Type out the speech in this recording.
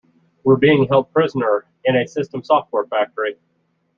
We're being held prisoner in a system software factory!